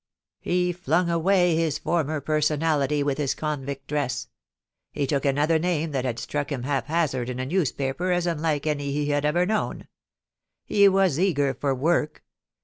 He flung away his former personality with his con vict dress. He took another name that had struck him haphazard in a newspaj)er as unlike any he had ever kno\*Ti. He was eager for work.